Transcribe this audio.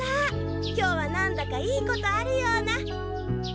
今日は何だかいいことあるような。